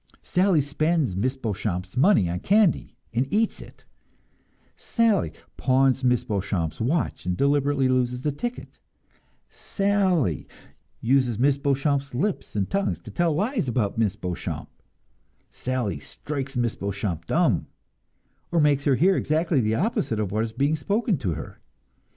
Sally spends Miss Beauchamp's money on candy, and eats it; Sally pawns Miss Beauchamp's watch and deliberately loses the ticket; Sally uses Miss Beauchamp's lips and tongue to tell lies about Miss Beauchamp; Sally strikes Miss Beauchamp dumb, or makes her hear exactly the opposite of what is spoken to her.